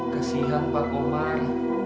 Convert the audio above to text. kasih pak omar